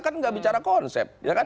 kan tidak bicara konsep